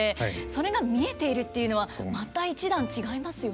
それが見えているっていうのはまた一段違いますよね。